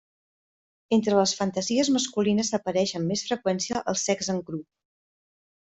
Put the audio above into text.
Entre les fantasies masculines apareix amb més freqüència el sexe en grup.